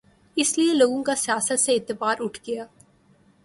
اس لیے لوگوں کا سیاست سے اعتبار اٹھ گیا۔